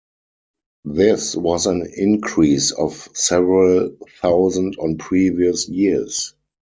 This was an increase of several thousand on previous years.